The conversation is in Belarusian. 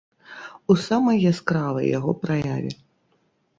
У самай яскравай яго праяве.